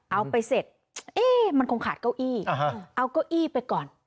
เอาไปเสร็จเอ๊ะมันคงขาดเก้าอี้เอาเก้าอี้ไปก่อน